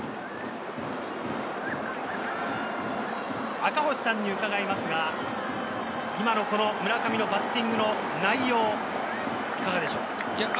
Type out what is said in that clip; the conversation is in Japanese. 赤星さんに伺いますが、今の村上のバッティングの内容、いかがでしょう？